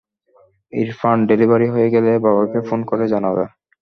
Irfan, delivery হয়ে গেলে বাবাকে ফোন করে জানাবে।